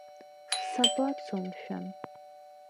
Сабацо, мшәан?